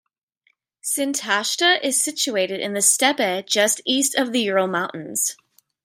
Sintashta is situated in the steppe just east of the Ural Mountains.